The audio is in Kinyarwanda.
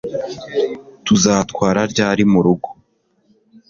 Tuzatwara ryari murugo